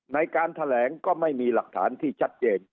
ในการแถลงก็ไม่มีหลักฐานที่ชัดเจน